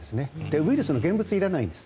ウイルスの現物いらないんです。